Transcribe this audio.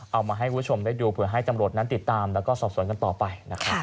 เอามาให้คุณผู้ชมได้ดูเผื่อให้จำรวจนั้นติดตามแล้วก็สอบสวนกันต่อไปนะครับ